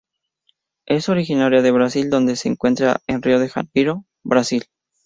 Es originaria de Brasil donde se encuentra en Río de Janeiro, Brasil.